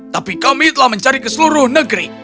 tapi kami telah mencari ke seluruh negeri